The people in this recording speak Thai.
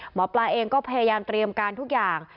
หมอปลาเองก็พยายามเตรียมการทุกอย่าง